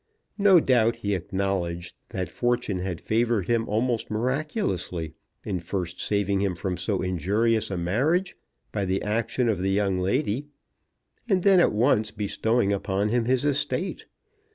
No doubt he acknowledged that fortune had favoured him almost miraculously, in first saving him from so injurious a marriage by the action of the young lady, and then at once bestowing upon him his estate.